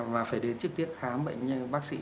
mà phải đến trực tiếp khám bệnh nhân bác sĩ